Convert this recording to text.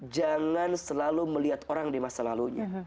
jangan selalu melihat orang di masa lalunya